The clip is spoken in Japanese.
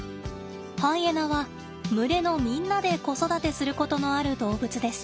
ハイエナは群れのみんなで子育てすることのある動物です。